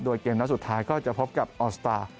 โดยเกมนัดสุดท้ายก็จะพบกับออสตาร์